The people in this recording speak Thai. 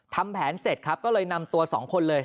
ทำแผนเสร็จครับก็เลยนำตัว๒คนเลย